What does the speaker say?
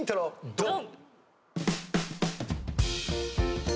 ドン！